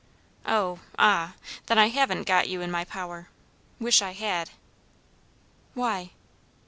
"Oh; ah! then I haven't got you in my power: wish I had." "Why?"